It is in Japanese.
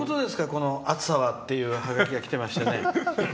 この暑さはっていうハガキがきてましてね。